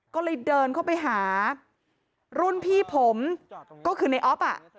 ก็เลยเดินเข้าไปหารุ่นพี่ผมก็คือในออฟอ่ะ